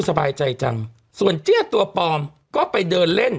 สบายใจจังส่วนเจี้ยตัวปลอมก็ไปเดินเล่น